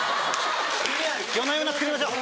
夜な夜な作りましょう！